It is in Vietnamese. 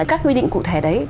các quy định cụ thể đấy